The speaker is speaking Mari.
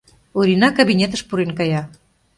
Орина кабинетыш пурен кая.